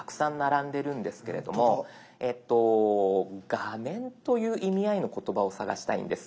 「画面」という意味合いの言葉を探したいんです。